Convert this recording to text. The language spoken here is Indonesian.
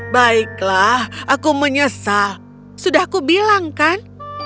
baiklah aku menyesal sudah aku bilang kan